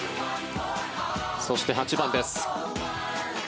そして、８番です。